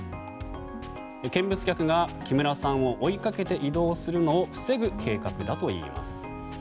見物客が木村さんを追いかけて移動するのを防ぐ計画だといいます。